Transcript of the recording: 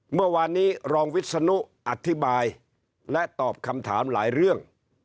เมื่อวานนี้รองวิศนุอธิบายและตอบคำถามหลายเรื่อง